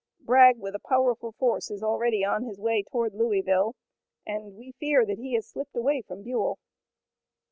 Bragg with a powerful force is already on his way toward Louisville, and we fear that he has slipped away from Buell."